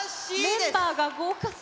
メンバーが豪華すぎ。